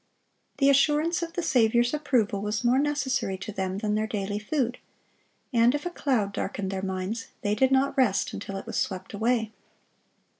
The assurance of the Saviour's approval was more necessary to them than their daily food; and if a cloud darkened their minds, they did not rest until it was swept away.